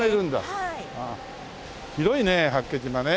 広いね八景島ね。